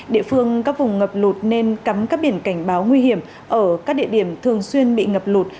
địa phương các vùng ngập lụt nên cắm các biển cảnh báo nguy hiểm ở các địa điểm thường xuyên bị ngập lụt